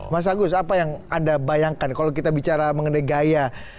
mas agus apa yang anda bayangkan kalau kita bicara mengenai gaya